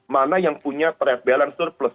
mana yang punya balance surplus